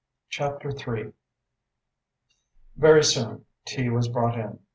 CHAPTER III Very soon tea was brought in.